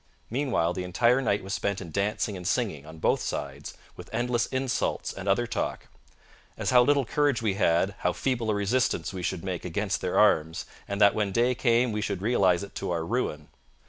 Meanwhile the entire night was spent in dancing and singing, on both sides, with endless insults and other talk; as how little courage we had, how feeble a resistance we should make against their arms, and that when day came we should realize it to our ruin.